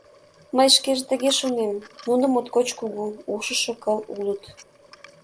Мый шкеже тыге шонем: нуно моткоч кугу, ушышо кыл улыт.